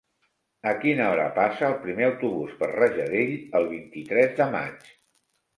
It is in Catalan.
A quina hora passa el primer autobús per Rajadell el vint-i-tres de maig?